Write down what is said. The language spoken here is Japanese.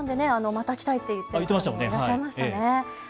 また来たいという方もいらっしゃいましたね。